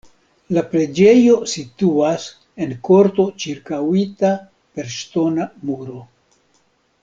La preĝejo situas en korto ĉirkaŭita per ŝtona muro.